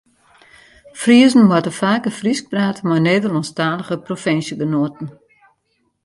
Friezen moatte faker Frysk prate mei Nederlânsktalige provinsjegenoaten.